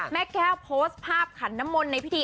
แม่แก้วโพสต์ภาพขันนมลในพิธี